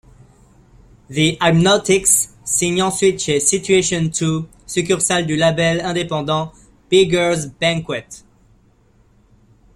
Thee Hypnotics signent ensuite chez Situation Two, succursale du label indépendant Beggars Banquet.